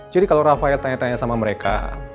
jadi kalau rafael tanya tanya sama mereka